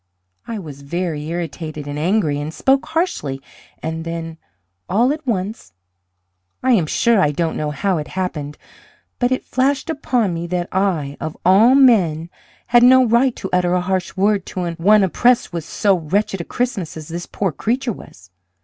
I was very irritated and angry, and spoke harshly; and then, all at once, I am sure I don't know how it happened, but it flashed upon me that I, of all men, had no right to utter a harsh word to one oppressed with so wretched a Christmas as this poor creature was.